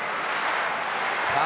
さあ